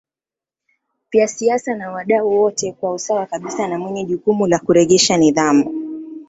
vya siasa na wadau wote kwa usawa kabisa na mwenye jukumu la kurejesha nidhamu